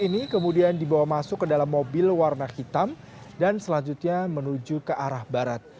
ini kemudian dibawa masuk ke dalam mobil warna hitam dan selanjutnya menuju ke arah barat